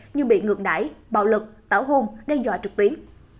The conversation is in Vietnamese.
như bị ngược đải bạo lực tảo hôn đe dọa trực tuyến